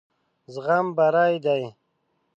زغم بري دی.